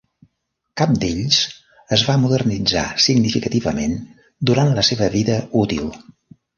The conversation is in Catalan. Cap d'ells es va modernitzar significativament durant la seva vida útil.